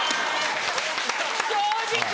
・正直！